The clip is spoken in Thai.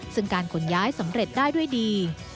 ซึ่งการขนย้ายสำเร็จได้ด้วยดี